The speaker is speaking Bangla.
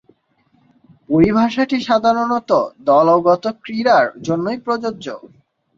পরিভাষাটি সাধারণতঃ দলগত ক্রীড়ার জন্যেই প্রযোজ্য।